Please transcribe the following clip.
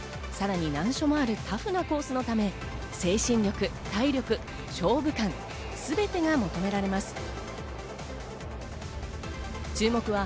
さらに難所もあるタフなコースのため、精神力、体力、勝負勘、すべてが求められます。